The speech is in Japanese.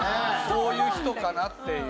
そういう人かなって。